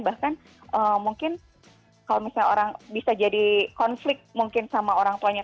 bahkan mungkin kalau misalnya orang bisa jadi konflik mungkin sama orang tuanya